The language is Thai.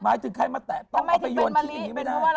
หมายถึงใครมาแตะต้องเอาไปโยนที่นี่ไม่ได้